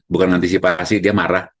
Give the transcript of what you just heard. bukan nganantisipasi dia marah